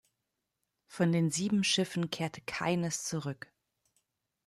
Von den sieben Schiffen kehrte keines zurück.